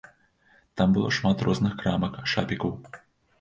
Там было шмат розных крамак, шапікаў.